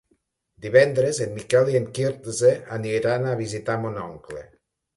Divendres en Miquel i en Quirze aniran a visitar mon oncle.